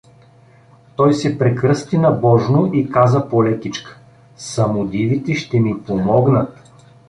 Той се прекръсти набожно и каза полекичка: „Самодивите ще ми помогнат!